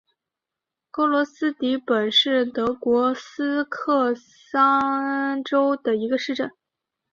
格罗斯迪本是德国萨克森州的一个市镇。